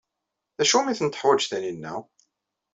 D acu umi ten-teḥwaj Taninna?